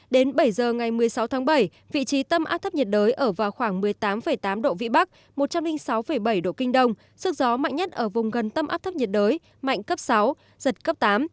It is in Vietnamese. đến bảy giờ ngày một mươi sáu tháng bảy vị trí tâm áp thấp nhiệt đới ở vào khoảng một mươi tám tám độ vĩ bắc một trăm linh sáu bảy độ kinh đông sức gió mạnh nhất ở vùng gần tâm áp thấp nhiệt đới mạnh cấp sáu giật cấp tám